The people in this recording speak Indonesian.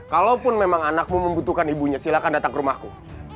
kalaupun memang anakmu membutuhkan ibunya silakan datang ke rumahku